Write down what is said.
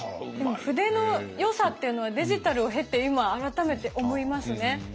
でも筆のよさっていうのはデジタルを経て今改めて思いますね。